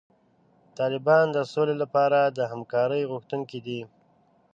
طالبان د سولې لپاره د همکارۍ غوښتونکي دي.